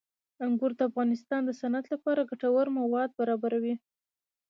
انګور د افغانستان د صنعت لپاره ګټور مواد برابروي.